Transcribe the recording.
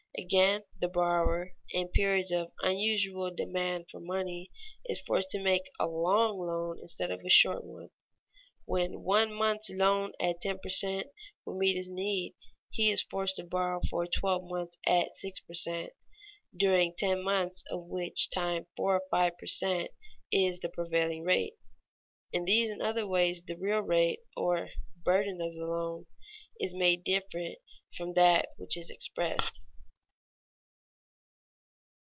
Again the borrower, in periods of unusual demand for money, is forced to make a long loan instead of a short one. When a one month's loan at ten per cent, would meet his need, he is forced to borrow for twelve months at six per cent., during ten months of which time four or five per cent, is the prevailing rate. In these and other ways the real rate, or burden of the loan, is made different from that which is expressed.